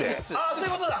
そういうことだ！